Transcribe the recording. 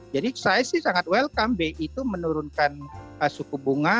jadi saya sih sangat welcome bi itu menurunkan suku bunga